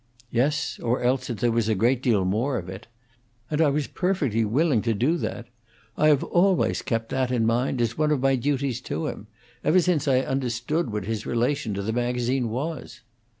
"Yes; or else that there was a great deal more of it. And I was perfectly willing to do that. I have always kept that in mind as one of my duties to him, ever since I understood what his relation to the magazine was."